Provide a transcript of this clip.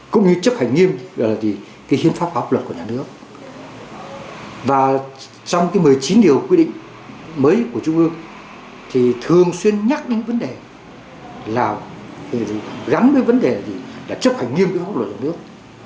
chuyên nhắc đến vấn đề là gắn với vấn đề là chấp hành nghiêm quyết pháp luật trong nước